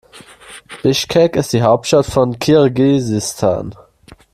Bischkek ist die Hauptstadt von Kirgisistan.